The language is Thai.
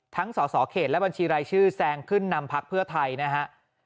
สสเขตและบัญชีรายชื่อแซงขึ้นนำพักเพื่อไทยนะฮะ